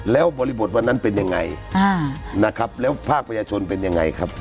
แล้วบริบทวันนั้นเป็นยังไงนะครับแล้วภาคประชาชนเป็นยังไงครับ